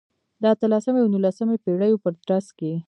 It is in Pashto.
د اتلسمې او نولسمې پېړیو په ترڅ کې.